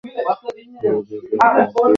এই পৃথিবী হইতে মুক্তি লাভ কর।